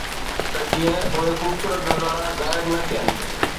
ته جيئن اهي خوبصورت نظارا غائب نه ٿين